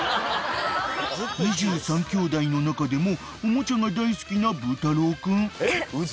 ［２３きょうだいの中でもおもちゃが大好きなブー太郎君］